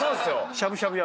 しゃぶしゃぶ。